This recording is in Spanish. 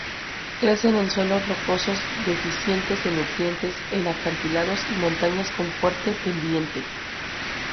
Crecen en suelos rocosos deficientes en nutrientes, en acantilados y montañas con fuerte pendiente.